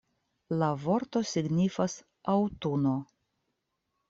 La vorto signifas „aŭtuno“.